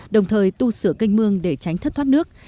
đồng thời tu sửa kênh mương để tránh thất thoát nước